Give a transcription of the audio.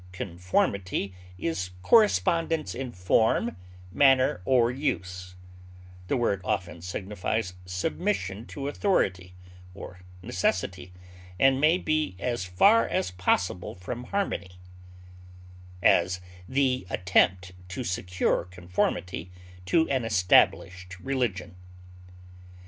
Conformity is correspondence in form, manner, or use; the word often signifies submission to authority or necessity, and may be as far as possible from harmony; as, the attempt to secure conformity to an established religion.